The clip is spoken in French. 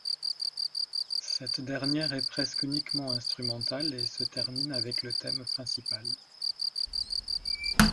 Cette dernière est presque uniquement instrumentale et se termine avec le thème principal.